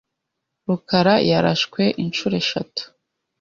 rukarayarashwe inshuro eshatu.